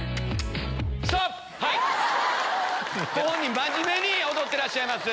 真面目に踊ってらっしゃいます。